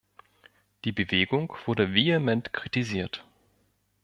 Die Bewegung wurde vehement kritisiert.